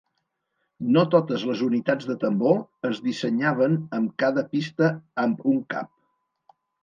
No totes les unitats de tambor es dissenyaven amb cada pista amb un cap.